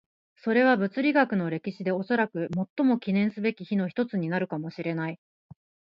それは物理学の歴史でおそらく最も記念すべき日の一つになるかもしれない。